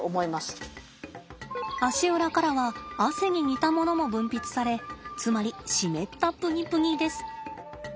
足裏からは汗に似たものも分泌されつまり湿ったプニプニです。